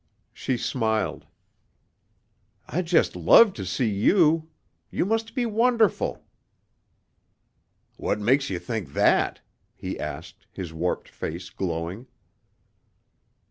She smiled. "I'd just love to see you. You must be wonderful!" "What makes you think that?" he asked, his warped face glowing.